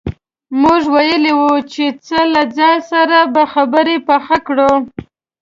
موږ ویلي وو چې ځه له چا سره به خبره پخه کړو.